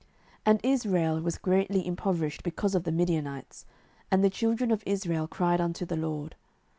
07:006:006 And Israel was greatly impoverished because of the Midianites; and the children of Israel cried unto the LORD.